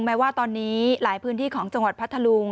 แม้ว่าตอนนี้หลายพื้นที่ของจังหวัดพัทธลุง